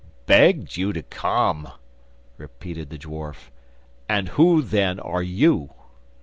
'Begged you to come!' repeated the dwarf, 'and who, then, are you?